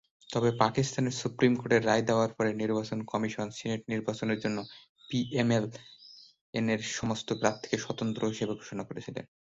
তবে পাকিস্তানের সুপ্রিম কোর্টের রায় দেওয়ার পরে নির্বাচন কমিশন সিনেট নির্বাচনের জন্য পিএমএল-এনের সমস্ত প্রার্থীকে স্বতন্ত্র হিসাবে ঘোষণা করেছিল।